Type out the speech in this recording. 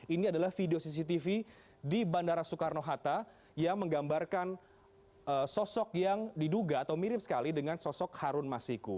ini adalah video cctv di bandara soekarno hatta yang menggambarkan sosok yang diduga atau mirip sekali dengan sosok harun masiku